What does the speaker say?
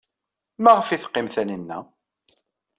Maɣef ay teqqim Taninna?